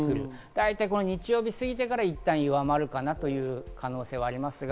大体、日曜日を過ぎてから一旦弱まるかなという可能性がありますが。